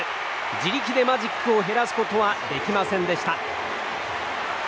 自力でマジックを減らすことはできませんでした。